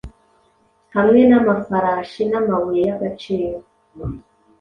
Hamwe namafarashi namabuye yagaciro